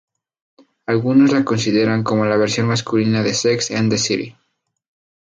Algunos la consideran como la versión masculina de "Sex and the City".